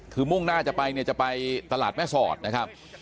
คือมุ่งหน้าจะไปเนี่ยจะไปตลาดแม่สอดนะครับ